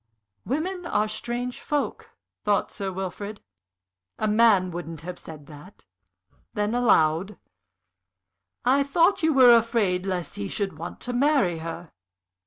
"Women are strange folk," thought Sir Wilfrid. "A man wouldn't have said that." Then, aloud: "I thought you were afraid lest he should want to marry her?"